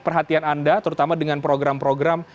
perhatian anda terutama dengan program program